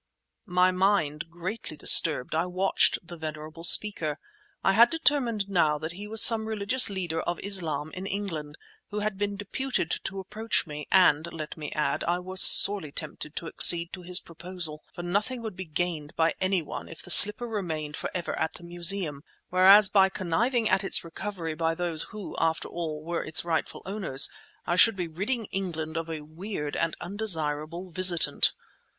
My mind greatly disturbed, I watched the venerable speaker. I had determined now that he was some religious leader of Islam in England, who had been deputed to approach me; and, let me add, I was sorely tempted to accede to his proposal, for nothing would be gained by any one if the slipper remained for ever at the museum, whereas by conniving at its recovery by those who, after all, were its rightful owners I should be ridding England of a weird and undesirable visitant.